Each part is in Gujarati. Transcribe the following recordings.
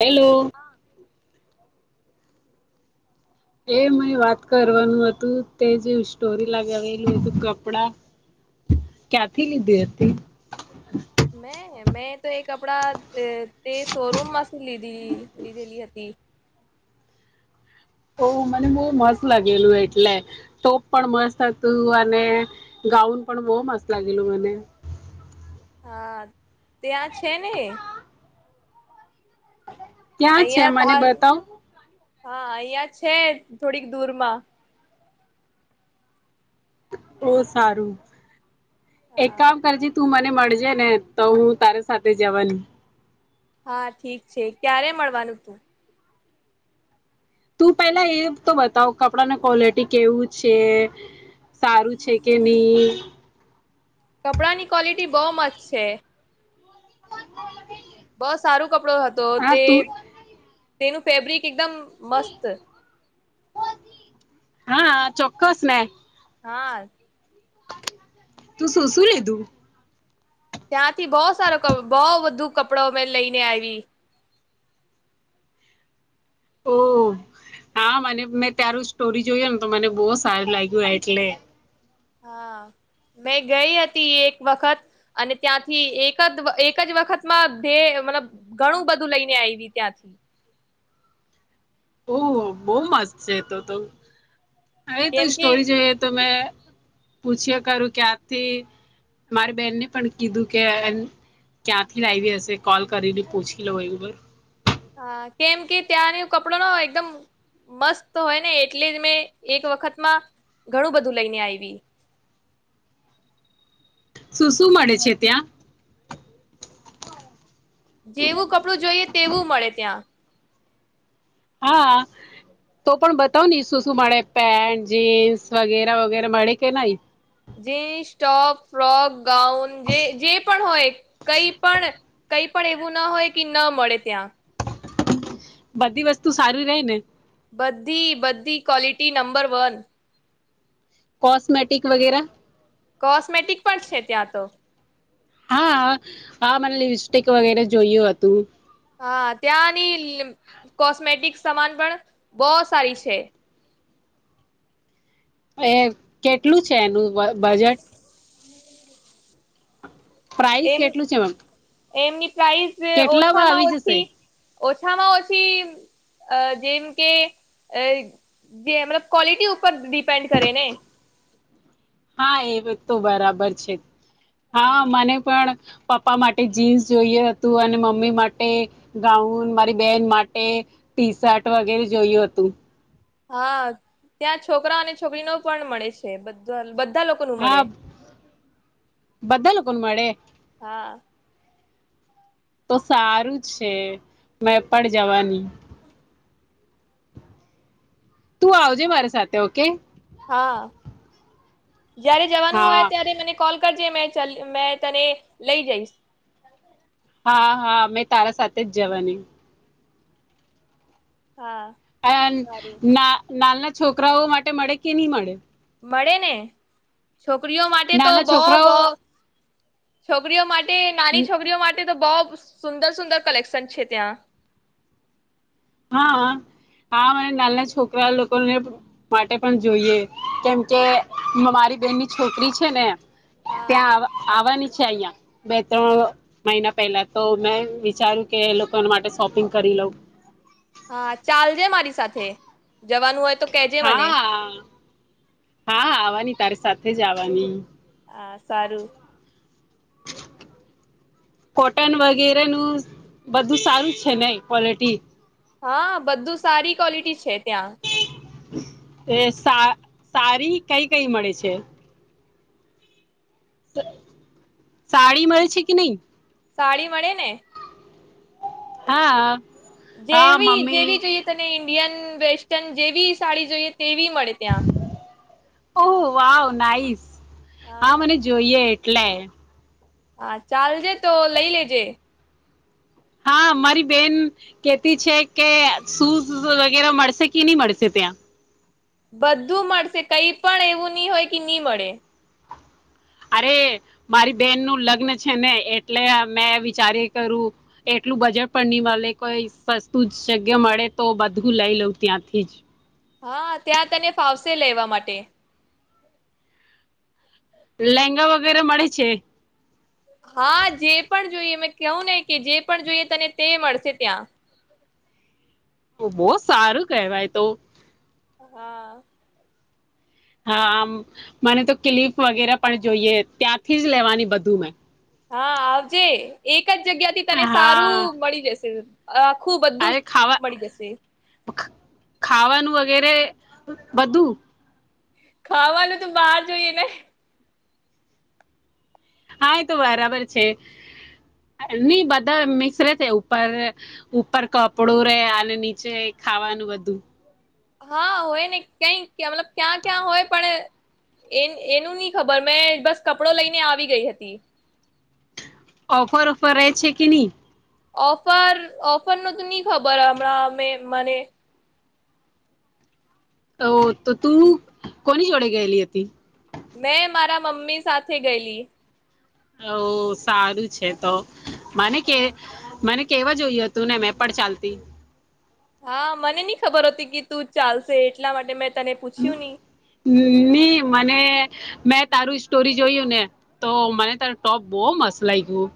હેલો હા એ મને વાત કરવાનું હતું તે જે સ્ટોરી લગાવેલી હતી કપડા ક્યાંથી લીધી હતી મે મેં તો એ કપડા તે શોરૂમ માંથી લીધી લીધેલી હતી ઓ મને બહુ મસ્ત લાગેલું એટલે તો પણ મસ્ત.. તું અને ગાઉન પણ બહુ મસ્ત લાગેલું મને હા ત્યાં છે ને ક્યાં છે અહિયાં મને પાસ બતાવ હા અહિયા છે થોડીક દૂરમાં બઉ સારું એક હા કામ કર જે તું મને.. ને મળજે ને તો હું તારે સાથે જવાની હા ઠીક છે ક્યારે મળવાનું તું તું પેલા એ તો બતાવ કપડાને ક્વોલિટી કેવું છે સારું છે કે નહી કપડા ની ક્વોલિટી બહુ મસ્ત છે બસ સારો કપડો હતો હા તે તું તેનું ફેબ્રિક એકદમ મસ્ત હા ચોક્કસ મેન હા તો શું શું લીધું ત્યાંથી બહો સારો બઉ બધો કપડો મેં લઈને આવી ઓ હા મને મેં તારું સ્ટોરી જોયું ને તો મને બહુ સારું લાગ્યું એટલે હા, મેં ગઈ હતી એક વખત અને ત્યાંથી એક દ એક જ વખતમાં ભે મતલબ ઘણું બધું લઈને આયવી ત્યાંથી. ઓહ બહુ મસ્ત છે તો તો હા એ તો કેમ કે સ્ટોરી જોઈ તમે પૂછ્યા કરું ક્યાંથી મારી બેનને પણ કીધું કે અ ક્યાંથી લાયવી હશે કોલ કરીને પૂછી લઉ એવું બ હા કેમ કે ત્યાંનો કપડોનો એકદમ મસ્ત હોય ને એટલે જ મેં એક વખતમાં ઘણું બધું લઈને આયવી. શું શું મળે છે ત્યાં? જેવું કપડું જોઈએ તેવું મળે ત્યાં. હા તો પણ બતાવની શું શું મળે પેન્ટ જીન્સ વગેરા વગેરા મળે કે નહીં? જીન્સ ટોપ ફોક ગાઉન જે જે પણ હોય કઈ પણ કઈ પણ એવું ના હોય કે ન મળે ત્યાં. બધી વસ્તુ સારી રેય ને? બધી બધી કવોલિટી નંબર વન. કોસ્મેટિક વગેરા? કોસ્મેટિક પણ છે ત્યાં તો. હા હા મને લિસ્ટિક વગેરે જોયું હતું. હા ત્યાંની કોસ્મેટિક સમાન પણ બો સારી છે. એ કેટલું છે એનું બ બજેટ? અ પ્રાઈઝ કેટલું છે મેમ? એમની પ્રાઈઝ કેટલામાં ઓછામાં આવી ઓછી જશે ઓછામાં ઓછી અ જેમ કે જે અ મતલબ ક્વોલિટી ઉપર ડિપેન્ડ કરે ને. હા એ તો બરાબર છે. હા, મને પણ પપ્પા માટે જીન્સ જોયું હતું અને મમ્મી માટે ગાઉન મારી બેહન માટે ટી-શર્ટ વગેરે જોયું હતું. હા ત્યાં છોકરા અને છોકરીનો પણ મળે છે બધ બધા બધા લોકોનું મળે. હા કોનું મળે? હા. તો સારું છે મેં પણ જવાની. તું આવજે મારી સાથે ઓકે. હા જયારે જવાનું હોય હા ત્યારે મને કોલ કર જે મેં ચલ મેં તને લઈ જઈશ. હા હા મેં તારા સાથે જ જવાની. હા અયાન સારું ના નાલ છોકરાઓ માટે મળે કે ની મળે? મળે ને. છોકરીઓ માટે તો નાના બો બો છોકરાઓ છોકરીઓ માટ ટે નાની છોકરીઓ માટે તો બો સ સુંદર સુંદર કલેક્શન છે ત્યાં. હા હા હા મને નાહલા છોકરા લોકોને માટે પણ જોઈએ કેમકે મ મારી બેહેનની છોકરી છે ને હા. ત્યાં આવ આવવાની છે અહીંયા બે ત્રણ મહિના પહેલા તો મેં વિચાર્યું કે એ લોકોન માટે શોપિંગ કરી લઉં. હા, ચાલજે મારી સાથે. જવાનું હોય તો કેજે મને. હા હા આવાની તારી સાથે જ આવાની. આ સારું. કોટન વગેરેનું બધું સારું છે ને ક્વોલિટી? હા બધું સારી ક્વોલિટી છે. ત્યાં એ સા સારી કઈ કઈ મળે છે? સાડી મળે છે કે નહીં? સાડી મળે ને. હા. હા જેવી જેવી મમ્મી જોઈએ તને ઈ ન્ડિયન વેસ્ટન જેવી સાડી જોઈએ તેવી મળે ત્યાં. Oh, wow nice. હા, મને જોઈએ. ટલે હા, ચાલજે તો લઈ લેજે. હા, મારી બેન કેતી છે કે શૂઝ વગેરા મળશે કે ની મળશે ત્યાં? બધું મળશે કઈ પણ એવું ની હોય કે ની મળે. અરે, મારી બેહેનનું લગ્ન છે ને એટલે મેં વિચારયા કરું એટલું બજટ પણ ની મળે કોઈ સસ્તું જગ્યા મળે તો બધું લઈ લઉ ત્યાંથી જ. હા, ત્યાં તને ફાવશે લેવા માટે. લહેંગા વગેરે મળે છે? હા, જે પણ જોઈએ મે કવું ને કે જે પણ જોઈએ તને તે મળશે ત્યાં. બો સારું કહેવાય તો. હા. હા, આમ મને તો ક્લીપ વગેરા પણ જોઈએ ત્યાંથી જ લેવાની બધું મેં હા, આવજે એ ક જગ્યા થી તને હા સારું મળી જશે. આખું બધું અરે, ખાવા મળી જશે. ખ ખાવાનું વગેરે બધું? ખાવાનું તો બહાર જોઈએ ને? હા, એ તો બરાબર છે ની બધા મિક્સ રેશે ઉપર ઉપર કપડું રે અને નીચે ખાવાનું બધું. હા, હોય ને કઈ મતલબ ક્યાં-ક્યાં હોય પણ એ એનું ની ખબર મેં બસ કપડો લઈને આવી ગઈ હતી. ઓફર-ઓફર રહે છે કે ની? ઓફર-ઓફર નું તો ની ખબર હમણાં મે મને. તો ત તું કોની જોડે ગયેલી હતી? મેં મારા મમ્મી સાથે ગયેલી. ઓહ, સારું છે તો. મને કે મને કેવા જોય હતું ને મેં પણ ચાલતી. હા મને ની ખબર હોતી કે તું ચાલશે એટલા માટે મેં તને પૂછ્યું નહી. ની મને મેં તારું સ્ટોરી જોયું ને તો મને તારું ટોપ બો મસ્ત લાગ્યું.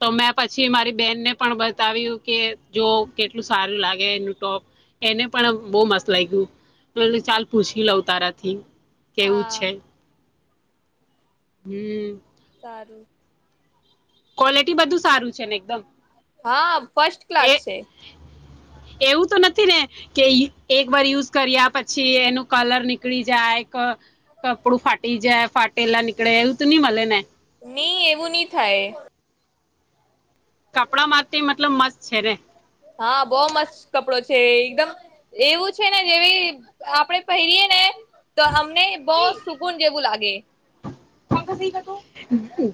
તો મેં પછી મારી બેનને પણ બતાવ્યું કે જો કેટલું સારું લાગે એનું ટોપ એને પણ બો મસ્ત લાયગુ ચાલ પૂછી લઉ તારાથી. કેવું હા છે. હમ્મ. સારું. ક્વોલિટી બધું સારું છે ને એકદમ? હા, ફર્સ્ટ ક્લાસ એ છે. એવું તો નથી ને કે ઇ એક વાર યુઝ કર્યા પછી એનું કલર નીકળી જાય ક કપડું ફાટી જાય ફાટેલા નીકળે એવું તો ની મલે ને? ની એવું ની થાય. કપડા મારતી મતલબ મસ્ત છે ને. હા બો મસ્ત કપડો છે એકદમ એવું છે ને જેવી આપણે પહેરીયે ને તો આમ ને બો સુકુન જેવું લાગે. ગે.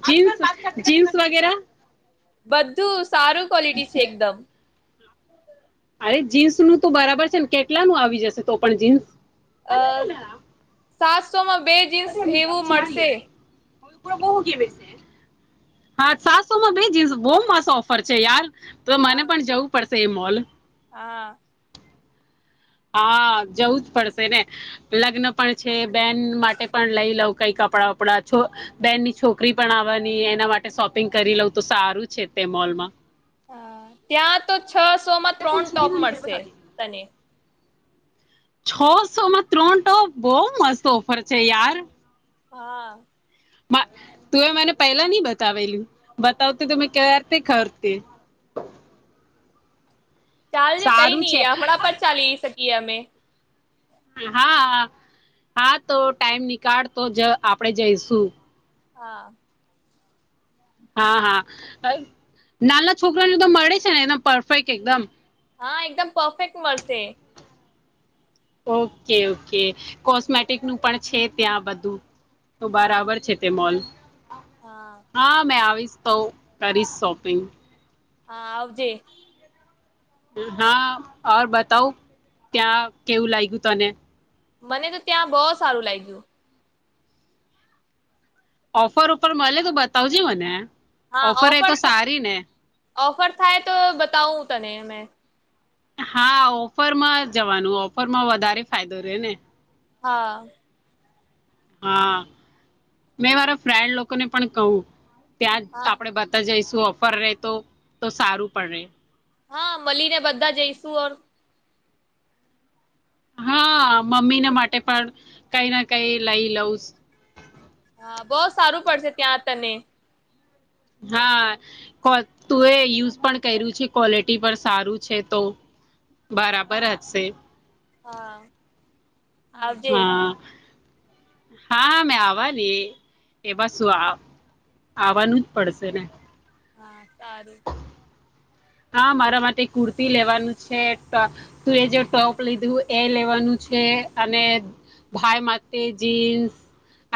જીન્સ જીન્સ વગેરા? બધું સારું ક્વોલિટી છે એકદમ. [inaudible] અરે જીન્સનું તો બરાબર છે ને કેટલા નું આવી જશે તો પણ જીન્સ? અ સાત સોમાં બે જીન્સ એવું મળશે. [unintelligible] હા સાતસોમાં બે જીન્સ બોવ મસ્ત ઓફર છે યાર. તો મને હા પણ જવું પડ શે મોલ. હા. હા જવું જ પડશે ને લગ્ન પણ છે. બેન માટે પણ લઈ લઉં. કઈ કપડા વપડા છો બેનની છોકરી પણ આવાની એના માટે શોપિંગ કરી લઉં તો સારું છે તે મોલમાં. હા ત્યાં તો છસો માં ત્રણ ટોપ મળશે તને. છસો માં ત્રણ ટોપ બોવ મસ્ત ઓફર છે યાર. હા. મા તુંએ મને પહેલા નહી બતાવેલું બતાવતી તો મે કયારથી ખરતી. ચાલજે કઈ સારું છે નઈ હમણાં પર ચાલી શક તી અમે. હા હા તો ટાઈમ નીકાળ તો જ આપડે જઈશું. હા. હા હા. નાના છોકરા ને તો મળે છે ને એના પરફેક્ટ એકદમ? હા એકદમ પરફેક્ટ મળશે. ઓકે ઓકે કોસ્મેટિક નું પણ છે ત્યાં બધું. તો હા બરાબર છે તે મોલ. હા મેં આવીશ. તો કરીશ શોપિંગ. હા આવજે. હા ઓર બતાવું ત્યા કેવું લાયગુ તને? મને તો ત્યાં બોવ સારું લાગ્યું. ઓફર ઉપર મલે તો બતાવજે મને. ઓફર એ તો સારી ને. ઓફર થાય તો બતાઉ તને મેં. હા ઓફરમાં જવાનું ઓફરમાં વધારે ફાયદો રેહને. હા. હા, મેં મારા ફ્રેન્ડ લોકોને પણ કહું. ત્યાં જ હા આપડે બધા જઈ તું ઓફર રે તો તો સારું પણ રે. હા, મલીને બધા જઈશુ ઓર હા. મમ્મીને માટે પણ કઈ ના કઈ લઈ લઉં. હા, બો સારું પડશે ત્યાં તને. હા. કો તુંએ યુઝ પણ કર્યું છે ક્વોલિટી પણ સારું છે તો બરાબર હશે. હા. આવજે હા. હા, મેં આવવાની એમાં શું આ આવાનું જ પડશે ને. હા, સારું. હા, મારા માટે કુર્તી લેવાનું છે, ટ તુંએ જે ટોપ લીધું એ લેવાનું છે અને ભાઈ માટે જીન્સ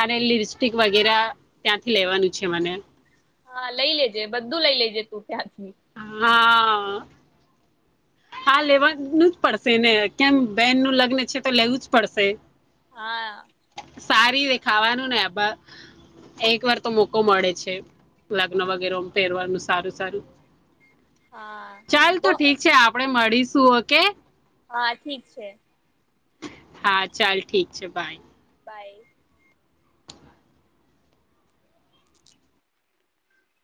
અને લિપસ્ટિક વગેરે ત્યાંથી લેવાનું છે મને. હા, લઈ લેજે બધું લઈ લેજે તું ત્યાંથી. હા. હા, લેવાનું જ પડશે ને કેમ બેહેન નું લગ્ન છે તો લેવું જ પડશે. હા. સારી દેખાવાનું ને બ એક વાર તો મોકો મળે છે લગ્ન વગેરોમ પેરવાનું સારું સારું. હા, ચાલ બો તો ઠીક છે આપડે મળીશું ઓકે. હા, ઠીક છે. હા, ચાલ ઠીક છે બાય. બાય.